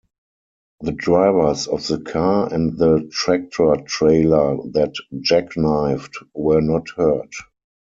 The drivers of the car and the tractor-trailer that jackknifed were not hurt.